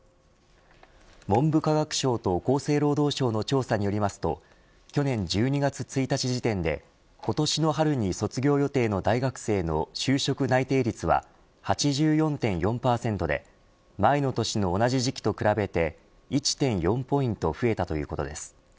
文部科学省と厚生労働省の調査によりますと去年１２月１日時点で今年の春に卒業予定の大学生の就職内定率は８４．４％で前の年の同じ時期と比べて１．４ポイント増えたということです。